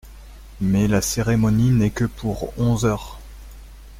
Mais la cérémonie n’est que pour onze heures.